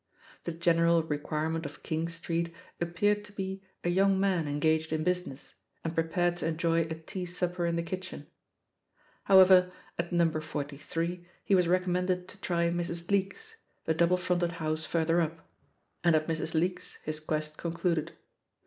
The gen eral requirement of King Street appeared to be a young man engaged in business, and prepared to enjo;^ a tea supper in the kitchen. However, 106 THE POSITION OP PEGGY HARPER IffI at No. 48, he was recommended to try Mn# Leake's, the double fronted house further np, and at Mrs. Leake's his quest concluded.